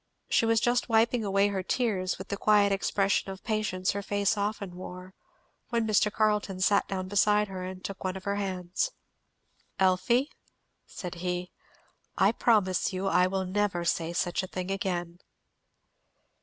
She was just wiping away her tears, with the quiet expression of patience her face often wore, when Mr. Carleton sat down beside her and took one of her hands. "Elfie," said he, "I promise you I will never say such a thing again."